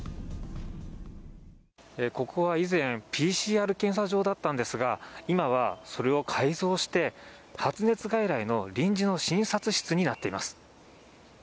ここは以前、ＰＣＲ検査場だったんですが、今はそれを改造して、発熱外来の臨時の診察室になっています。